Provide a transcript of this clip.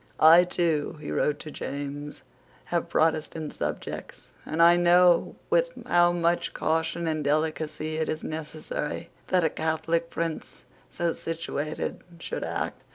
"I, too," he wrote to James, "have Protestant subjects; and I know with how much caution and delicacy it is necessary that a Catholic prince so situated should act."